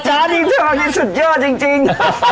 จ๊ะจริงมากินสุดเยอะจริง